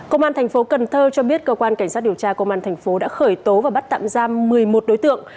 công an thành phố cần thơ cho biết cơ quan cảnh sát điều tra công an thành phố đã khởi tố và bắt tạm giam một mươi một đối tượng